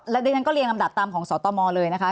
และดังนั้นก็เรียนลำดับตามของสอตอมอเลยนะคะ